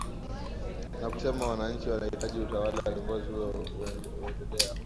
na kusema wananchi wanahitaji utawala kiongozi huyo uendelea